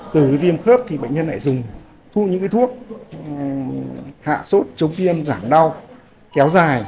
từ viêm khớp thì bệnh nhân lại dùng thuốc những thuốc hạ sốt chống viêm giảm đau kéo dài